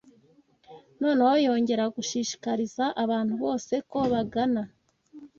Noneho yongera gushishikariza abantu bose ko bagana